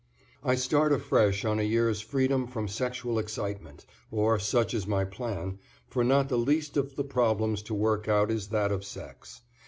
I start afresh on a year's freedom from sexual excitement, or such is my plan, for not the least of the problems to work out is that of sex.